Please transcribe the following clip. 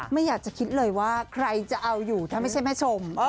ไม่อยากจะคิดเลยว่าใครจะเอาอยู่ถ้าไม่ใช่แม่ชม